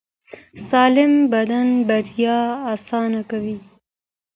سالم بدن بریا اسانه کوي.